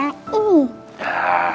papa bacain ya